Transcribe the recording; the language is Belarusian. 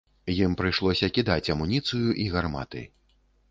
Ім прыйшлося кідаць амуніцыю і гарматы.